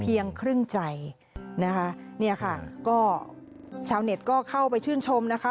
ครึ่งใจนะคะเนี่ยค่ะก็ชาวเน็ตก็เข้าไปชื่นชมนะคะ